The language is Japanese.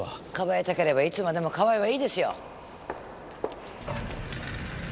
庇いたければいつまでも庇えばいいですよ！